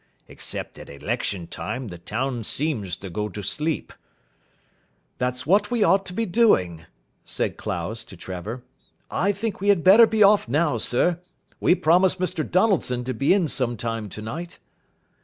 Except at election time, the town seems to go to sleep." "That's what we ought to be doing," said Clowes to Trevor. "I think we had better be off now, sir. We promised Mr Donaldson to be in some time tonight."